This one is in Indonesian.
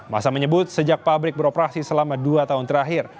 masa menyebut sejak pabrik beroperasi selama dua tahun terakhir